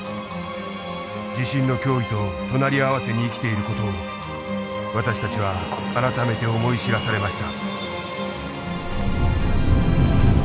地震の脅威と隣り合わせに生きている事を私たちは改めて思い知らされました。